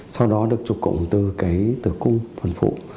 sau đó được chụp cụng từ cái tử cung phần phụ